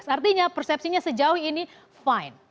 artinya persepsinya sejauh ini fine